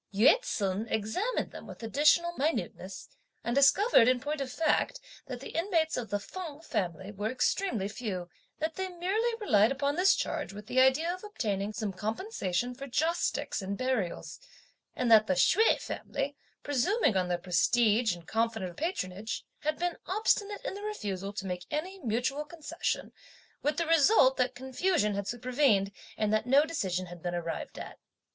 Yü ts'un examined them with additional minuteness, and discovered in point of fact, that the inmates of the Feng family were extremely few, that they merely relied upon this charge with the idea of obtaining some compensation for joss sticks and burials; and that the Hsüeh family, presuming on their prestige and confident of patronage, had been obstinate in the refusal to make any mutual concession, with the result that confusion had supervened, and that no decision had been arrived at.